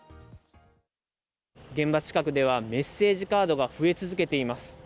現場近くではメッセージカードが増え続けています。